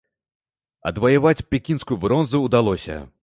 Адваяваць пекінскую бронзу ўдалося.